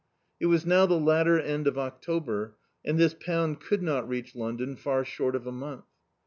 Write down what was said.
It was now die latter end of October, and this pound could not reach London far short of a month.